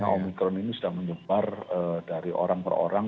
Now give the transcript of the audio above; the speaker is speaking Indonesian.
omikron ini sudah menyebar dari orang per orang